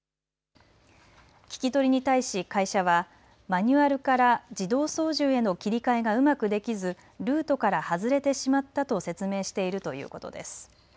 聞き取りに対し会社はマニュアルから自動操縦への切り替えがうまくできずルートから外れてしまったと説明しているということです。